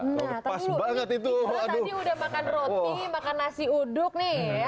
nah tapi udah makan roti makan nasi uduk nih ya